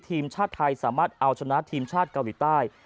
ทีมชาติไทยสามารถเอาชนะทีมชาติเกาหลีใต้